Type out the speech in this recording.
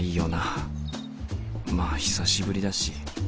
まあ久しぶりだし。